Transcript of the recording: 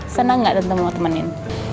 senang gak ketemu mau temenin